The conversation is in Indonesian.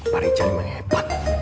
pak rijal memang hebat